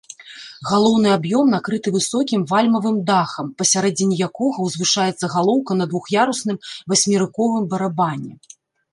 Галоўны аб'ём накрыты высокім вальмавым дахам, пасярэдзіне якога ўзвышаецца галоўка на двух'ярусным васьмерыковым барабане.